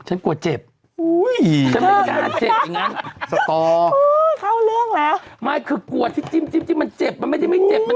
อุ้ยเห็นไหมนะคะเจ็บอย่างนั้น